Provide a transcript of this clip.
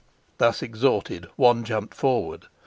Thus exhorted, one jumped forward.